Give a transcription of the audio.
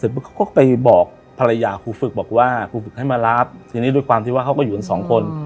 เขาก็ไปบอกภรรยาครูฝึกบอกว่าครูฝึกให้มารับทีนี้ด้วยความที่ว่าเขาก็อยู่กันสองคน